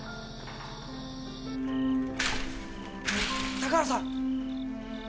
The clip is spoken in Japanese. ・高原さん。